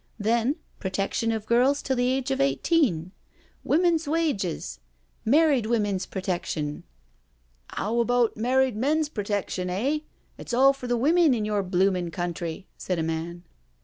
Then Protection of Girls till the age of Eighteen — ^Women's Wages — Mar ried Women's Protection." " 'Ow about married men's protection, eh? It's all for the women in your bloomin' country," said a man.